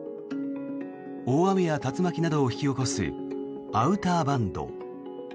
大雨や竜巻などを引き起こすアウターバンド。